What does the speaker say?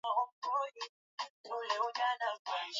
alikamatwa katika wilaya ya mkono na kwa sasa